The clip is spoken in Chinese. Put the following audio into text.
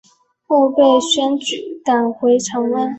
后被薛举赶回长安。